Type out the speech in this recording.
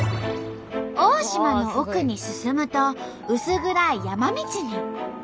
大島の奥に進むと薄暗い山道に。